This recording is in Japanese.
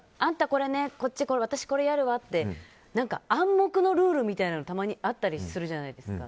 これね、私これやるわって暗黙のルールみたいなのたまにあったりするじゃないですか。